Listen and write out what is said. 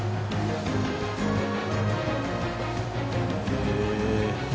へえ。